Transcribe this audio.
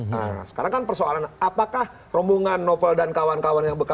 nah sekarang kan persoalan apakah rombongan novel dan kawan kawan yang bekerja